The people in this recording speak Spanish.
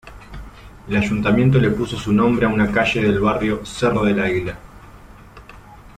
El ayuntamiento le puso su nombre a una calle del barrio Cerro del Águila.